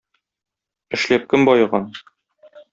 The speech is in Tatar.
Эшләп кем баеган?